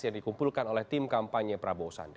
yang dikumpulkan oleh tim kampanye prabowo sandi